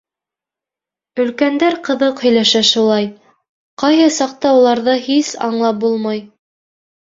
Өлкәндәр ҡыҙыҡ һөйләшә шулай, ҡайһы саҡта уларҙы һис аңлап булмай.